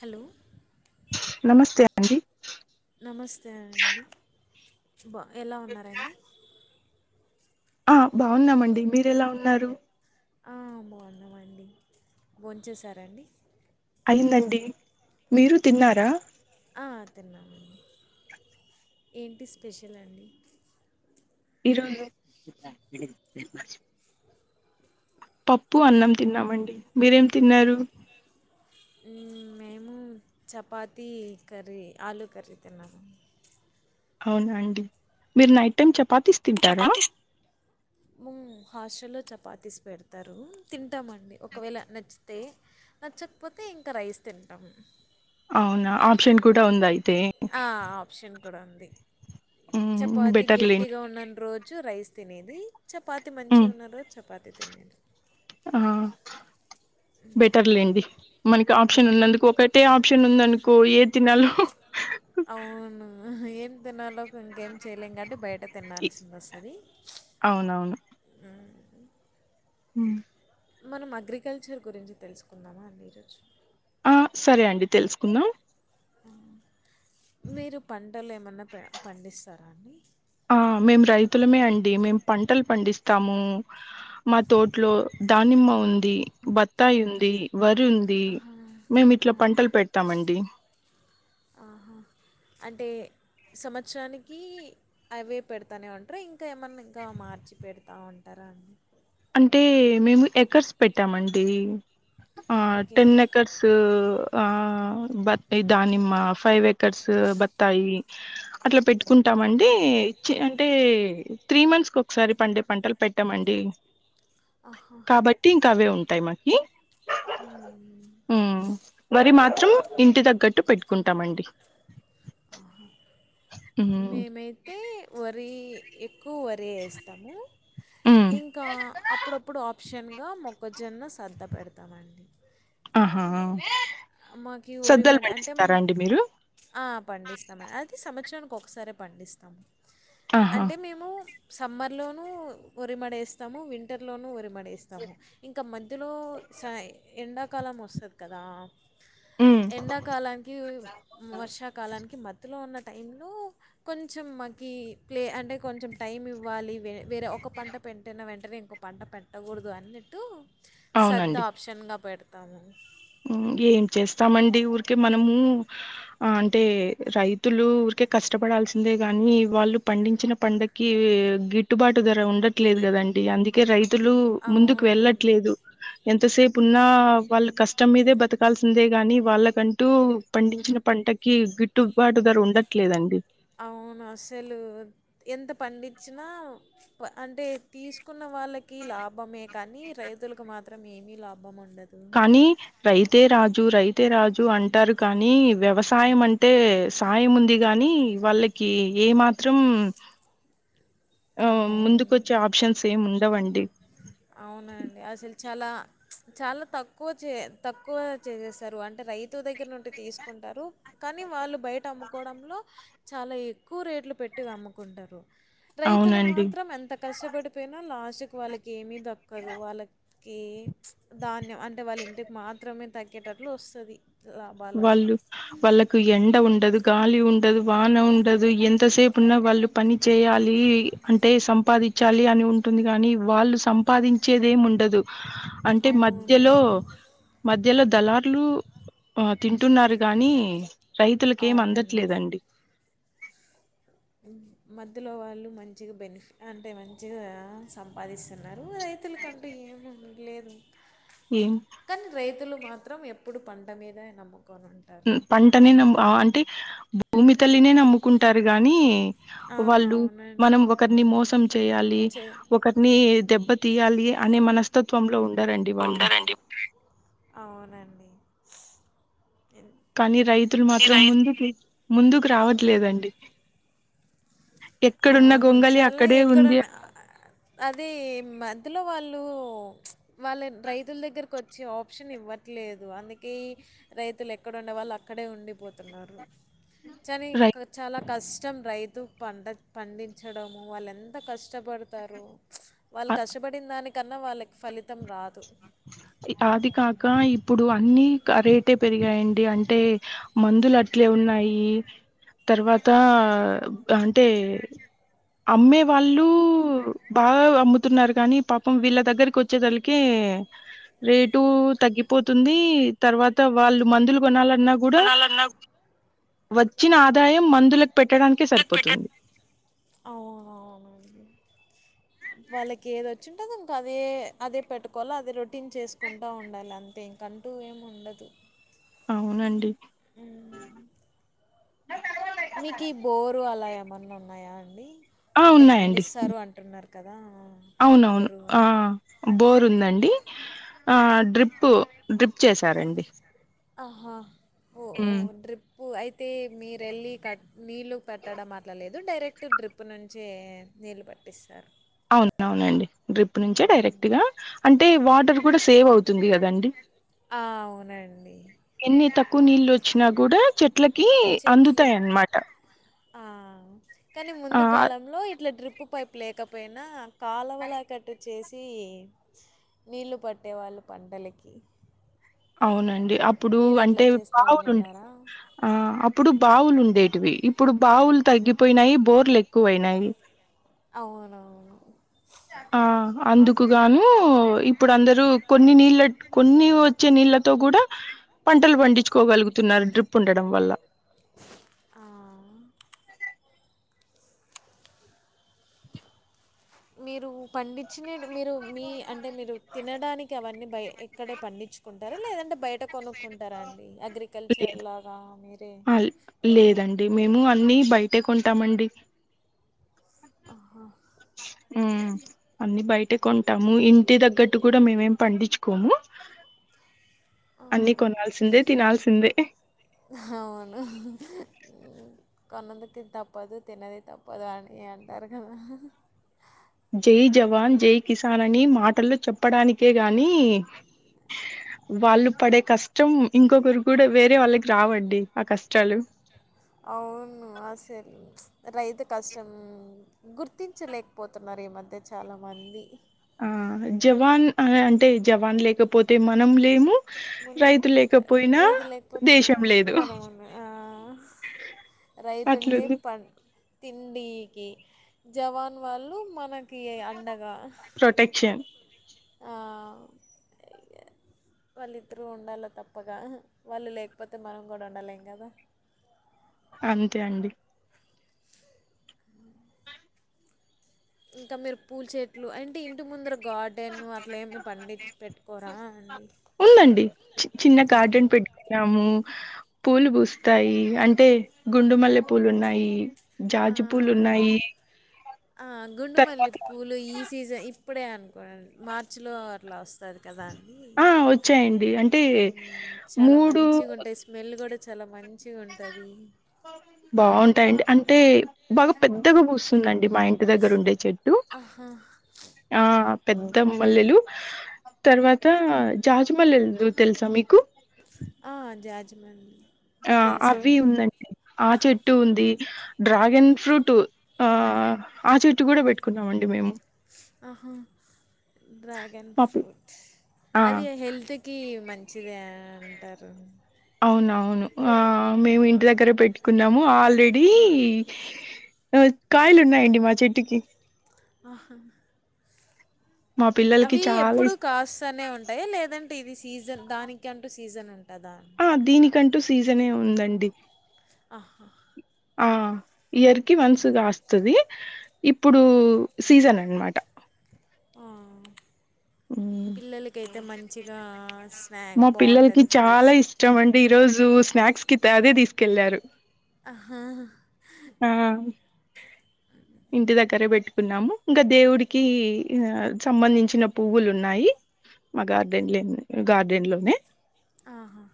Hello నమస్తే అండి నమస్తే అండి బా ఎలా ఉన్నారండి ఆ బాగున్నామండి మీరు ఎలా ఉన్నారు ఆ బాన్నామండి భోంచేసారా అండి అయిందండి మీరు తిన్నారా ఆ తిన్నామండి ఏంటి స్పెషల్ అండి ఈరోజు పప్పు అన్నం తిన్నామండి మీరేం తిన్నారు మ్ మేము చపాతీ కర్రీ ఆలూ కర్రీ తిన్నాము అవునా అండి మీరు నైట్ టైమ్ చెప్ చపాతీస్ ఉ హాస్ట లో చపాతీస్ పెడతారు తింటాము అండి ఒకవేళ నచ్చితే నచ్చకపోతే ఇంకా రైస్ తింటం అవునా ఆప్షన్ కూడా ఉంద అయితే ఆప్షన్ కూడా ఉంది హ్మ్. చపాతి బెటర్ లేండి గట్టిగా ఉన్నన్ రోజు రైస్ తినేది చపాతి హ్మ్. మంచిగా ఉన్నా రోజు చపాతి తినేది ఆ బెటర్లేండి మనకి ఆప్షన్ అవును ఉన్నందుకు ఒకటే ఆప్షన్ ఉందనుకో ఏ తినాలి అవును ఏం తినాలో ఇంకేం చేయలేం కాబట్టి బయట ఇ తినాల్సిసిది వస్తది ఉ మనం అగ్రికల్చర్ గురించి తెలుసుకుందామా అండి రోజు ఆ సరే అండి తెలుసుకుందాం మీరు పంటలు ఏమన్నా పే పండిస్తారా అండి ఆ మేము రైతులమే అండి మేము పంటలు పండిస్తాము మా తోట్లో దానిమ్మ ఉంది బత్తాయి ఉంది వర్ రీ ఉంది ఆహా మేము ఆ ఇట్లా పంటలు పెడతామండి ఆహా అంటే సంవత్సరానికి అవే పెడతానే ఉంటార ఇంకా ఏమైన్నా ఇంకా మార్చి పెడతా ఉంటా ర అండి అంటే మేము ఎకర్స్ పెట్టామండి ఆ ఓకే టెన్ ఎకర్స్ ఆ బత్తా దానిమ్మ ఫైవ్ ఏకర్స్ బత్తాయి అట్లా పెట్టుకుంటామండి ఇచ్చి అంటే త్రీ మంత్స్ కి ఒకసారి పండే పంటలు పెట్టామండి ఆహా కాబట్టి ఇంకా అవే ఉంటాయి మాకి మ్మ్. ఉ మరి మా చు ఇంటి తగ్గట్టు పెట్టుకుంటామండి హ్మ్ మేమైతే వరి ఎక్ కు వరి వేస్తాము హ్మ్. ఇంకా అప్పుప్పు ఆప్షన్ గా మొక్కజొన్న స్రద్ద పెడతామండి ఆహా మాకి సద్దలు ఒరిమడి అంటే మ్ పండిస్తారా అండి మీరు? ఆ పండిస్తామండి అది సమా చనికి ఒకసారిే పండిస్తాము ఆహా! అంటే మేము సమ్మర్లోనూ ఓరిమడి వేస్తాము వింటర్లోనూ ఓరిమడి వేస్తాము ఇంకా మధ్యలో స ఈ ఎండాకాలం వస్తుంది కదా హ్మ్. ఎండాకాలానికి వర్షాకాలానికి మధ్యలో ఉన్న టైంలో కొంచెం మకి ప్లే అంటే కొంచెం టైం ఇవ్వాలి వే వేరే ఒక పంట పెట్టిన వెంటనే ఇంకో పంట పెట్టకూడదు అన్నట్టు స్రద్దా అవునండి. ఆప్షన్గా పెడతాము ఏం చేస్తామండి ఊరికే మనము అంటే రైతులు ఉరి కే కష్టపడాల్సిందే కాని వాళ్ళు పండించిన పంటకి గిట్టుబాటు ధర ఉండట్లేదు కదా అండి అందుకే రైతులు ముందుకు అవును. వెళ్ళట్లేదు ఎంతసేపు ఉన్నా వాళ్ళ క ష్టం మీదే బతకాల్సిందే గాని వాళ్ళకంటూ పండించిన పంటకి గిట్టుబాటు ధర ఉండడం లేదండి అవును అసలు ఎంత పండించినా అంటే తీసుకున్న వాళ్ళకి లాభమే కానీ రైతులకు మాత్రం ఏమి లాభం ఉండదు. కానీ రైతే రాజు రైతే రాజు అంటారు కానీ వ్యవసాయం అంటే సాయం ఉంది గానీ వాళ్ళకి ఏ మాత్రం ఆ ముందుకు వచ్చే అవును. ఆప్షన్స్ ఏమి ఉండవండి అవునండి. అసలు చాలా చాలా తక్కువ చే తక్కువ చేసేస్తారు అంటే రైతు దగ్గర నుండి తీసుకుంటారు కానీ కానీ వాళ్ళు బయట అమ్ముకోవడంలో చాలా ఎక్కువ రేట్లు పెట్టి అమ్ముకుంటారు రైతులు అవునండి మాత్రం ఎంత కష్టపడు లాస్ట్కి వాళ్ళకి ఏమీ దక్కదు వాళ్ళకి ధాన్యం అంటే వాళ్ళ ఇంటికి మాత్రం మేము తగ్గేటట్లు వస్తుంది వాళ్ళు వాళ్ళకు ఎండ ఉండదు గాలి ఉండదు వాన ఉండదు ఎంతసేపు ఉన్నా వాళ్ళు పని చేయాలి అంటే సంపాదించాలి అని ఉంట ఉంటుంది కానీ వాళ్ళు సంపాదించేది ఏం ఉండదు అంటే అవును. మధ్యలో మధ్యలో దళారులు ఆ తింటున్నారు గాని రైతులకి ఏం అవును. అందట్లేదండి మధ్యలో వాళ్ళు మంచిగా బెనిఫ అంటే మంచిగా సంపాదిస్తున్నారు రైతుల కంటే ఏం ఉండటలేదు ఏం కానీ రైతులు మాత్రం ఎప్పుడు పంట మీద నమ్ముక ఉమ్ పంటనే నమ్ము అంటే భూమి తల్లినే నమ్ముకుంటారు గాని ఆ, వాళ్ళు అవునండి మనం ఒకరిని మోసం చేయాలి చే ఒకరిని దెబ్బ తీయాలి అనే మనస్తత్వంలో ఉ ఉండారండి కానీ రైతులు మాత్రం ముందుకి ముందుకు రావట్లేదండి ఎక్కడున్న అవును గొంగలి చాలా అక్కడే ఉంది ఎక్కడన్నా అది మధ్యలో వాళ్ళు వాళ్ళ రైతుల దగ్గరకు వచ్చి ఆప్షన్ ఇవ్వట్లేదు అందుకే కి రైతులు ఎక్కడ ఉండే వాళ్ళు అక్కడే ఉండిపోతున్నారు కాని రై చాలా కష్టం రైతు పంట పండించడము వాళ్ళు ఎంత కష్టపడతారో వాళ్ళు ఆ- కష్టపడిన దానికి కన్న వాళ్ళకి ఫలితం రాదు అది కాక ఇప్పుడు అన్ని అ రేటు ఎ పెరిగాయండి అంటే మందులు అట్లా ఉన్నాయి తర్వాత అంటే అమ్మే వాళ్ళు బాగా అమ్ముతున్నారు కాని పాపం వీళ్ళ దగ్గరికి వచ్చేదలకి రేటు తగ్గిపోతుంది తర్వాత వాళ్ళు మందులు కొన్న కూడా వచ్చిన ఆదాయం మందుల కి పెంటడం వాళ్ళకి ఏదొచ్చింటే అది ఇంకా అదే అదే పెట్టుకోవాలో అదే రొటీన్ చేసుకుంటూ ఉండాలి అంతే ఇంకంటూ ఏం ఉండదు అవునండి మీకు ఈ బోరు అలా ఏమన్నా ఉన్నాయా అండి ఆ అంటే ఉన్నాయండి పండిస్తారు అంటున్నారు కదా అట్లే అవునవును బోరు ఆ బోర్ ఉందండి ఆ డ్రిపు డ్రిప్ చేసారండి ఆహా ఓ ఓ ఉమ్ డ్రిప్పు అయితే మీరు వెళ్ళి కట్ నీళ్ళు పెట్టడం అట్లాలేదు డైరెక్ట్ డ్రిప్ నుంచే నీళ్లు పట్టిస్తారు అవున అవునండి డ్రిప్ నుంచే డైరెక్ట్ గా అంటే వాటర్ కూడా సేవ్ అవుతుంది కదండి ఆ అవునండి క్కు నీళ్ళు వచ్చినా కూడా చెట్లకి అందుతాయ చెట్లకి అన్నమాట కానీ ఆ ముందు కాలంలో ఇట్లా డ్రిప్పు పైప్ లేకపోయినా కాలవల కటాచ్చు చేసి నీళ్ళు పట్టేవాళ్ళు పంటలకి అవునండి అప్పుడు మీరు అట్లా అంటే చేస్తామని బావులుండే విన్నారా ఆ అప్పుడు బావులు ఉండేటివి ఇప్పుడు బావులు తగ్గిపోయినాయి బోర్లు ఎక్కువయినాయి అవునువును ఆ అందుకుగాను ఇప్పుడు అందరుూ కొన్ని నీళ్ళ కొన్ని వచ్చే నీళ్ ళ్లతో కూడా పంటలు పండించుకోగలుగుత న్నారు డ్రిప్ ఉండడం వల్ల ఆ. మీరు పండించిన మీరు మీ అంటే మీరు తినడానికి అవన్నీ బయ ఎక్కడే పండించుకుంటారు లేదంటే బయట కొనుక్కుంటారండి అగ్రికల్చర్ లేదు. లాగా మీరే ఆ! లేదండి. మేము అన్ని బయటే కొంటామండి ఆహా ఉమ్ అన్ని బయట కొంటాము ఇంటి తగ్గట్టు కూడా మేమేం పండించుకోము ఆ. అన్ని కొనాల్సిందే తినాల్సిందే అవును కొన్నందుకి తప్పదు తినది తప్పదు అని అంటారు కదా జై జవాన్ జై కిసాన్ అని మాటల్లో చెప్పడానికే గాని [inaudible] వాళ్ళు పడే కష్టం ఇంకొకరు కూడా వేరే వాళ్ళకి రావండి ఆ కష్టాలు అవును అసలు రైతు కష్టం గుర్తించలేకపోతున్నారు మ ఈ మధ్య చాలా మంది ఆ జవాన్ అ అంటే జవాన్ లేకపోతే మనం లేము రైతు ముందేమో లేకపోయినా లేది లేకపోతే దేశం లేదు మనముంది రైతుంటే అట్లుంది ప తిండికి జవాన్ వాళ్ళు మన కయ అండగా ప్రొటెక్షన్ ఆ వాళ్ళిద్దరూ ఉండాల తప్పగా వాళ్ళు లేకపోతే మనం కూడా ఉండలేం కదా అంతే అండి అ ఇంకా మీరు పూల్చేట్లు అంటే ఇంటి ముందర గార్డెన్ అట్లే ఏమి పండించి పెట్టుకోరా అండి ఉందండి చిన్న ఆహా గార్డెన్ పెట్టుకున్నాము పూలు పూస్తాయి అంటే గుండు మల్లె పూలు ఉన్నాయి జాజ్ పూలు ఉన్నాయి గుండుమల్లి తర్వాత పూలు ఈ సీజన్ ఇప్పుడే అనుకోండి మార్చిలో లాస్ట్ వస్తుంది కదా అని ఆ వచ్చాయండి అంటే చాలా మూడు మంచిగా ఉంటాయి స్మెల్ కూడా చాలా మంచిగా ఉంటుంది బాగా ఉంట్ అయ్ అండి అంటే బాగా పెద్దగా పూస్తుంది మా ఇంటి దగ్గర ఉండే చెట్టు ఆహా! ఆ పెద్ద మల్లెలు తర్వాత జాజి మల్లెలు తెలుసా మీకు ఆ జాజి మల్లె ఆ అవి ఉందండి ఆ చెట్టు ఉంది డ్రాగన్ ఫ్రూట్ ఆ ఆ చెట్టు కూడా పెట్టుకున్నామండి మేము ఆహా డ్రాగన్ మాపు ఫ్రూట్ ఆ అది హెల్త్కి మంచి మంచిదే అంటారు అవునవును మేము ఇంటి దగ్గర పెట్టుకు న్నాము ఆల్రెడీ కాయలున్నాయండి మా చెట్టుకి అహమ్ మా పిల్లలకి అవి చాలా ఎప్పుడు ఇస్ కాస్తానే ఉంటాయి లేదంటే ఇది సీజన్ దానికి అంటూ సీజన్ ఉంటాయి టదా కంటూ సీజనే ఉందండి ఆహా ఆ ఇయర్ కి వన్సు కాస్తుది ఇప్పుడు సీజన్ అనమాట ఆ పిల్లలకైతే మంచిగా స్నాక్ మా పిల్లలకి బాగుంటది చాలా ఫ్రూట్స్ ఇష్టం అండి ఈ రోజు స్నాక్స్ కి అదే తీసుకెళ్లారు అహా ఆ ఇంటి దగ్గర పెట్టుకున్నాము ఇంకా దేవుడికి ఆ సంబంధించిన పువ్వులు ఉన్నాయి మా గార్డెన్ లో గార్డెన్ లోనే ఆహా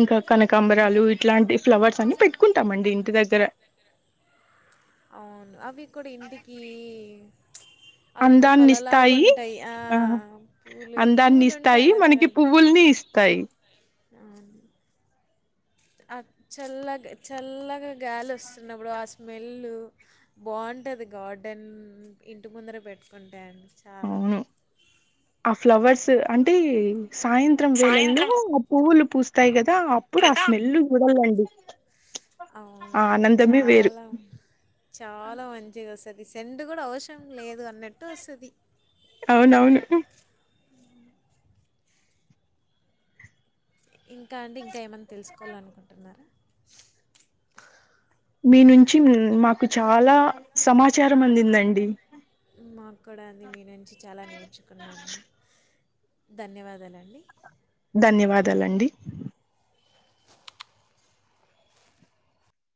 ఇంకా కనకాంబరాలు ఇంకా ఇట్లాంటి ఫ్లవర్స్ అన్ని పెట్టుకుంటామండి ఇంకా దగ్గర అవును అవి కూడా ఇంటికి అదొక అందాన్ని కళలాగా ఇస్తాయి ఉంటాయి పూలు పూలుంటేయి అదొక కాయి అ చల్లగా చల్లగా గాలి వస్తున్నప్పుడు ఆ స్మెల్ బాగుంట ఉంటుంది గార్డెన్ ఇంటి ముందర పెట్టుకుంటా అండి చాలా అవును ఆ ఫ్లవర్స్ అంటే సాయంత్రం వేలల్లో ఆ పువ్వులు పూస్తాయి కదా అప్పుడు ఆ స్మెల్ చూడాలండి అవును ఆ ఆనందమే వేరు చాలా చాలా మంచిది అసలు అది సెండ్ కూడా అవసరం లేదు అన్నట్టు వస్తుంది అవునవును ఇంకా అంటే ఇంకా ఏమన్నా తెలుసుకోవాల అనుకుంటున్నారా మీ నుంచి మాకు చాలా సమాచారం అందిందండి మాకు కూడా అండి మీ నుంచి చాలా నేర్చుకున్నాము. ధన్యవాదాలండి ధన్యవాదాలండి